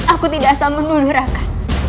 aku tidak asal menuduh raka